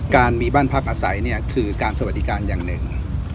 การมีบ้านพักอาศัยเนี่ยคือการสวัสดิการอย่างหนึ่ง